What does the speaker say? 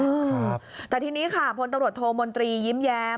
เออแต่ทีนี้ค่ะพชโทรมนตรียิ้มแยม